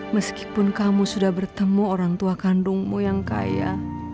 meskipun kamu sudah bertemu orang tua kandungmu yang kaya